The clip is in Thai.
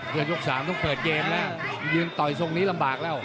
ยก๓ต้องเปิดเกมแล้วยืนต่อยทรงนี้ลำบากแล้ว